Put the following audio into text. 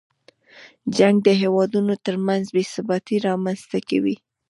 جنګ د هېوادونو تر منځ بې ثباتۍ رامنځته کوي.